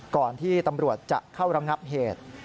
ก่อนที่ตำรวจจะเข้าระงับเหตุ